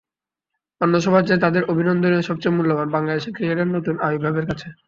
অন্য সবার চেয়ে তাঁদের অভিনন্দনই সবচেয়ে মূল্যবান বাংলাদেশের ক্রিকেটের নতুন আবির্ভাবের কাছে।